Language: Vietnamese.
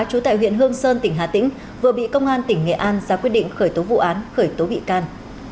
trú tại huyện hương sơn tỉnh hà tĩnh vừa bị công an tỉnh nghệ an ra quyết định khởi tố vụ án khởi tố bị can